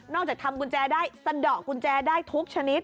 ทำกุญแจได้สะดอกกุญแจได้ทุกชนิด